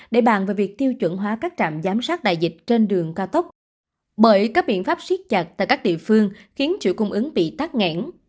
để bàn về việc tiêu chuẩn hóa các trạm giám sát đại dịch trên đường cao tốc bởi các biện pháp siết chặt tại các địa phương khiến chuỗi cung ứng bị tắt nghẽn